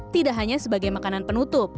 tidak hanya sebagai makanan penutup